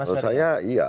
menurut saya iya